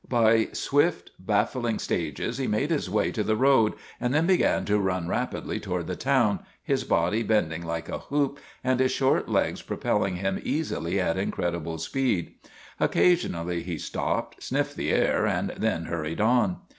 By swift, baffling stages he made his way to the road, and then began to run rapidly toward the town, his body bending like a hoop, and his short legs propelling him easily at incredible speed. Oc casionally he stopped, sniffed the air, and then hur ried on.